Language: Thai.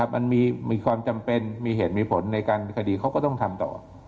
มันมีความจำเป็นมีเหตุมีผลในการคดีเขาก็ต้องทำต่อ